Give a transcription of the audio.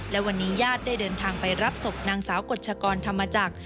และวันนี้ญาติได้เดินทางไปรับศพนางสาวกฎชกรธรรมจักร